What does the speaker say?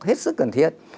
hết sức cần thiết